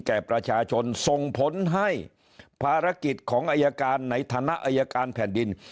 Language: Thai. แก่ประชาชนส่งผลให้ภารกิจของอายการในฐานะอายการแผ่นดิน